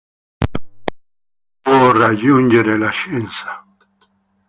Non può raggiungere la scienza.